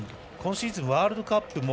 今シーズンワールドカップ